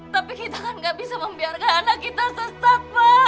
tapi kita kan gak bisa membiarkan anak kita sesat pak